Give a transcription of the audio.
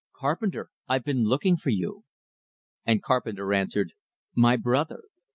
"Carpenter! I've been looking for you!" And Carpenter answered, "My brother!"